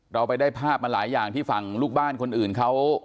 เราไปได้ภาพมาหลายอย่างที่ฝั่งลูกบ้านคนอื่นเขา